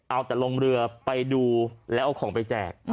เอาแต่ลงเรือไปดูแล้วเอาของไปแจก